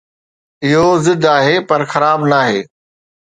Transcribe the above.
اهو ضد آهي، پر خراب ناهي